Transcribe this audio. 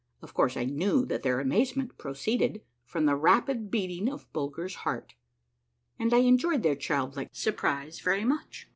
Of course I kneAV that their amazement proceeded from the rapid beating of Bulger's heart, and I enjoyed their childlike surprise very much.